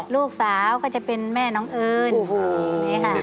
ลูกสาวก็จะเป็นแม่น้องเอิญนี่ค่ะ